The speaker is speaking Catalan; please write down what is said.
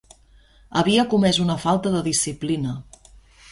Havia comès una falta de disciplina.